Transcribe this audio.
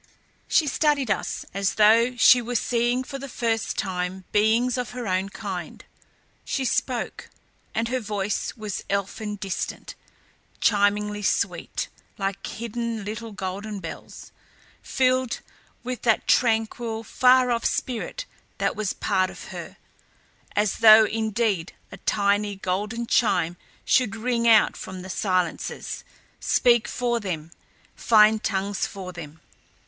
She studied us as though she were seeing for the first time beings of her own kind. She spoke and her voice was elfin distant, chimingly sweet like hidden little golden bells; filled with that tranquil, far off spirit that was part of her as though indeed a tiny golden chime should ring out from the silences, speak for them, find tongues for them.